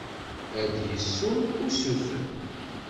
Ad d-yessu usuten.